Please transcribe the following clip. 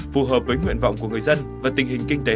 phù hợp với nguyện vọng của người dân và tình hình kinh tế